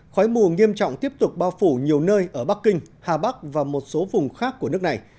khói mù nghiêm trọng tiếp tục bao phủ nhiều nơi ở bắc kinh hà bắc và một số vùng khác của nước này